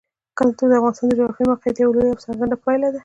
کلتور د افغانستان د جغرافیایي موقیعت یوه لویه او څرګنده پایله ده.